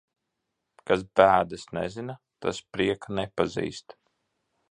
Kas bēdas nezina, tas prieka nepazīst.